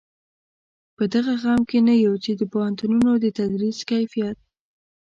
په دې غم کې نه یو چې د پوهنتونونو د تدریس کیفیت.